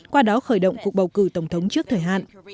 qua đó khởi động cuộc bầu cử tổng thống trước thời hạn